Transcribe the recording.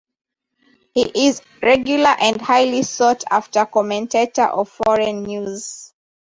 He is a regular and highly sought after commentator of foreign news.